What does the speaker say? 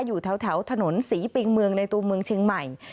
อยู่แถวถนนศรีปิงเมืองในตัวเมืองเชียงใหม่